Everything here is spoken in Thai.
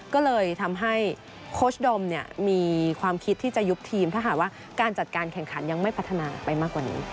ก็เลยทำให้โค้ชดมเนี่ยมีความคิดที่จะยุบทีมถ้าหากว่าการจัดการแข่งขันยังไม่พัฒนาไปมากกว่านี้